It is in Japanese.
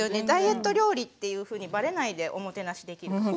ダイエット料理っていうふうにバレないでおもてなしできる。